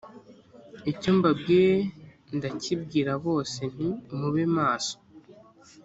icyo mbabwiye ndakibwira bose nti mube maso